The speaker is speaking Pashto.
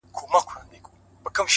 يې ه ځكه مو په شعر كي ښكلاگاني دي!!